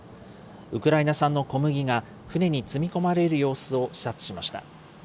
ウクライナ産の小麦が船に積み込まれる様子を視察しました。